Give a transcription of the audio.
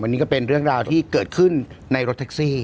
วันนี้ก็เป็นเรื่องราวที่เกิดขึ้นในรถแท็กซี่